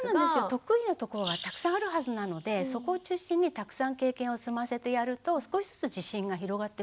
得意なところがたくさんあるはずなのでそこを中心にたくさん経験を積ませてやると少しずつ自信が広がってくると思います。